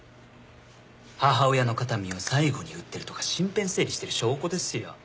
母親の形見を最後に売ってるとか身辺整理してる証拠ですよ。